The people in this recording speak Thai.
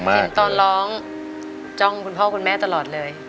เห็นตอนร้องจ้องคุณพ่อคุณแม่ตลอดเลย